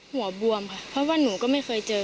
บวมค่ะเพราะว่าหนูก็ไม่เคยเจอ